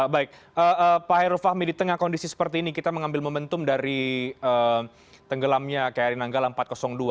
baik pak hairul fahmi di tengah kondisi seperti ini kita mengambil momentum dari tenggelamnya kri nanggala empat ratus dua